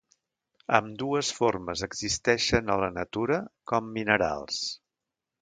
Ambdues formes existeixen a la natura com minerals.